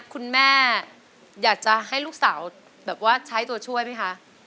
คุณแม่อยากจะให้ลูกสาวแบบว่าใช้ตัวช่วยไหมคะ